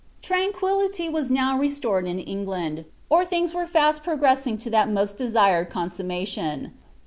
Tranqnillity wm now restored in England, or things werci fast pro l^reeaing to that most desired consnmrnaiion.